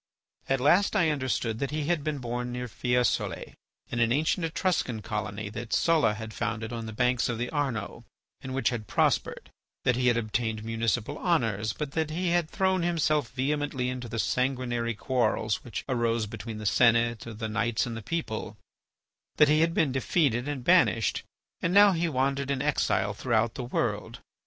At last I understood that he had been born near Fiesole, in an ancient Etruscan colony that Sulla had founded on the banks of the Arno, and which had prospered; that he had obtained municipal honours, but that he had thrown himself vehemently into the sanguinary quarrels which arose between the senate, the knights, and the people, that he had been defeated and banished, and now he wandered in exile throughout the world.